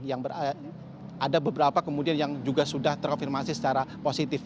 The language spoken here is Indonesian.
yang ada beberapa kemudian yang juga sudah terkonfirmasi secara positif